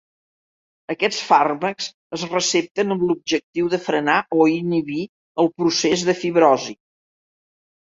Aquests fàrmacs es recepten amb l'objectiu de frenar o inhibir el procés de fibrosi.